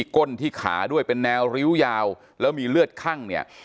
ก้นที่ขาด้วยเป็นแนวริ้วยาวแล้วมีเลือดคั่งเนี่ย